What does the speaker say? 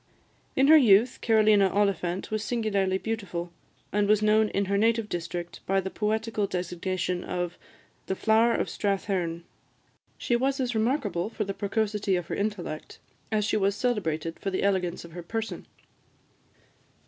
In her youth, Carolina Oliphant was singularly beautiful, and was known in her native district by the poetical designation of "The Flower of Strathearn." She was as remarkable for the precocity of her intellect, as she was celebrated for the elegance of her person.